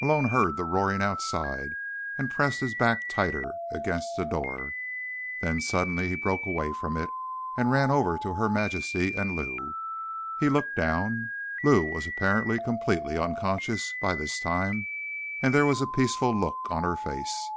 Malone heard the roaring outside, and pressed his back tighter against the door. Then, suddenly, he broke away from it and ran over to Her Majesty and Lou. He looked down. Lou was apparently completely unconscious by this time, and there was a peaceful look on her face.